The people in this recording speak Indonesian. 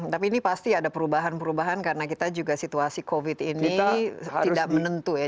tapi ini pasti ada perubahan perubahan karena kita juga situasi covid ini tidak menentu ya